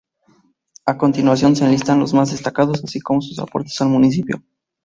A continuación se enlistan los más destacados, así como sus aportes al municipio.